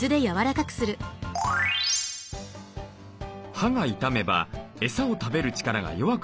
歯が傷めばエサを食べる力が弱くなります。